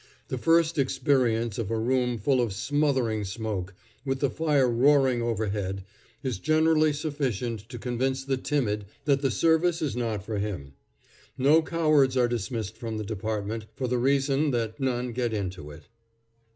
The first experience of a room full of smothering smoke, with the fire roaring overhead, is generally sufficient to convince the timid that the service is not for him. No cowards are dismissed from the department, for the reason that none get into it.